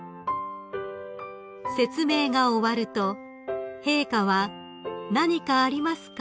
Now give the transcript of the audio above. ［説明が終わると陛下は「何かありますか？